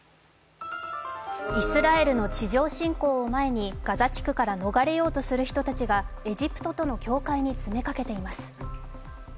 イスラエルの地上侵攻を前にガザ地区から逃れようとする人たちがエジプトとの境界に詰めかけています。